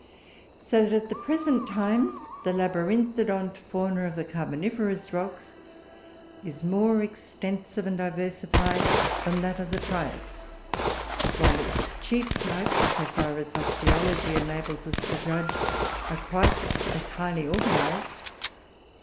So that, at the present time, the Labyrinthodont Fauna of the Carboniferous rocks is more extensive and diversified than that of the Trias, while its chief types, so far as osteology enables us to judge, are quite as highly organised.